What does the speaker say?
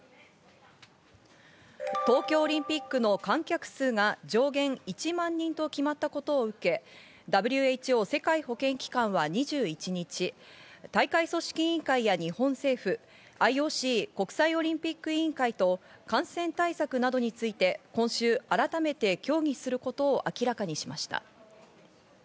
東京オリンピックの観客数が上限１万人と決まったことを受け、ＷＨＯ＝世界保健機関は２１日、大会組織委員会や日本政府、ＩＯＣ＝国際オリンピック委員会と感染対策などについて今週改めて協議することを明らかにしました。